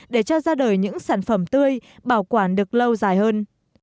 để cho ra đời những sản phẩm tươi bảo quản được lâu dài hơn